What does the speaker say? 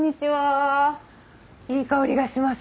いい香りがします。